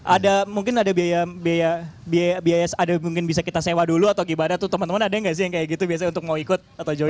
ada mungkin ada biaya biaya ada mungkin bisa kita sewa dulu atau gimana tuh teman teman ada nggak sih yang kayak gitu biasanya untuk mau ikut atau joy